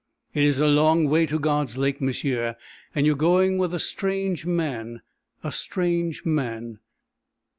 "It is a long way to God's Lake, m'sieu, and you are going with a strange man a strange man.